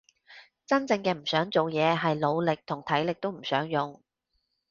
真正嘅唔想做嘢係腦力同體力都唔想用